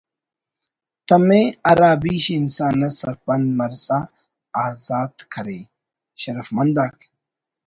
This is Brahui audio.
تمے ہرا بیش ءِ انسان اس سرپند مرسا آزات کرے ٭٭ شرفمند آک